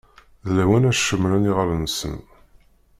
D lawan ad cemmṛen iɣallen-nsen.